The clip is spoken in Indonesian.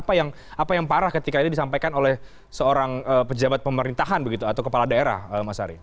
apa yang parah ketika ini disampaikan oleh seorang pejabat pemerintahan begitu atau kepala daerah mas ari